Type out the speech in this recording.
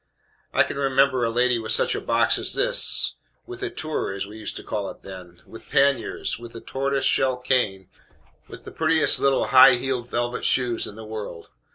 I can remember a lady with such a box as this, with a tour, as we used to call it then; with paniers, with a tortoise shell cane, with the prettiest little high heeled velvet shoes in the world!